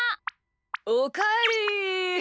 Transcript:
おかえり。